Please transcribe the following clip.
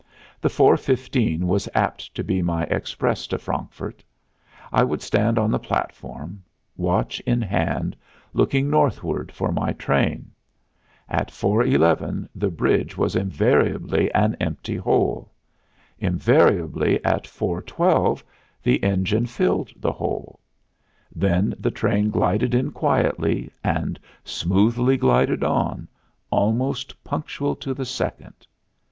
The four fifteen was apt to be my express to Frankfurt. I would stand on the platform, watch in hand, looking northward for my train. At four eleven the bridge was invariably an empty hole. Invariably at four twelve the engine filled the hole; then the train glided in quietly, and smoothly glided on, almost punctual to the second.